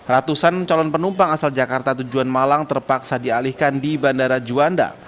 ratusan calon penumpang asal jakarta tujuan malang terpaksa dialihkan di bandara juanda